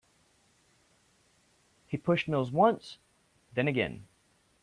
He pushed Mills once, then again.